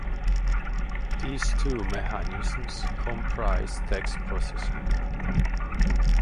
These two mechanisms comprise text processing.